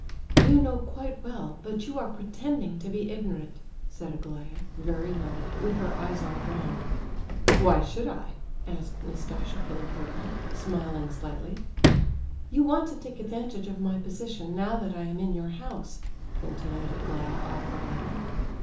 "You know quite well, but you are pretending to be ignorant," said Aglaya, very low, with her eyes on the ground. "Why should I?" asked Nastasia Philipovna, smiling slightly. "You want to take advantage of my position, now that I am in your house," continued Aglaya, awkwardly.